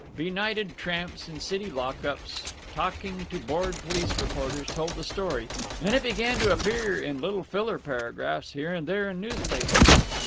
Benighted tramps in city lock ups, talking to bored police reporters, told the story, and it began to appear in little filler paragraphs here and there in newspapers.